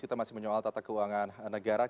kita masih menyoal tata keuangan negara